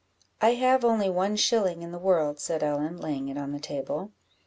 "I have only one shilling in the world," said Ellen, laying it on the table.